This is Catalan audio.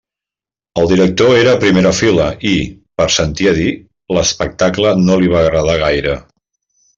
El director era a primera fila i, per sentir a dir, l'espectacle no li va agradar gaire.